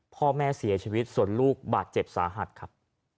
พ่อแม่เสียชีวิตส่วนลูกบาดเจ็บสาหัสครับ